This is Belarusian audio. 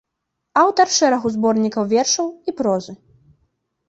Аўтар шэрагу зборнікаў вершаў і прозы.